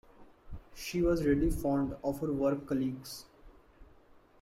She was really fond of her work colleagues.